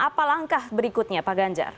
apa langkah berikutnya pak ganjar